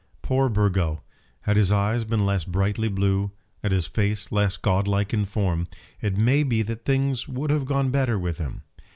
Poor Burgo! had his eyes been less brightly blue, and his face less godlike in form, it may be that things would have gone better with him.